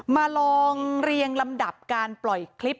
มาลองเรียงลำดับการปล่อยคลิป